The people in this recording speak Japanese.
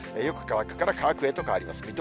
よく乾くから乾くへと変わります。